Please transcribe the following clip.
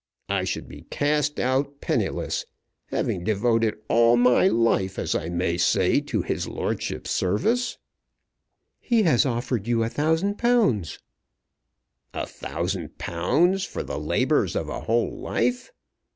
I should be cast out penniless, having devoted all my life, as I may say, to his lordship's service." "He has offered you a thousand pounds." "A thousand pounds, for the labours of a whole life!